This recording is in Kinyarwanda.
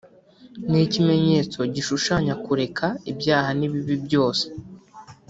ni ikimenyetso gishushanya kureka ibyaha n’ibibi byose